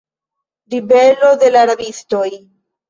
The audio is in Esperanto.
Ribelo de la rabistoj.